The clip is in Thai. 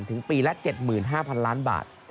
ถึงปีละ๗๕๐๐๐ล้านบาท